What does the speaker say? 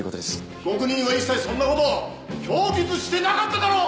被告人は一切そんな事を供述してなかっただろう！